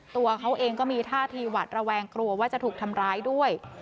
ตัวเขาเองก็มีท่าทีหวัดระแวงกลัวว่าจะถูกทำร้ายด้วย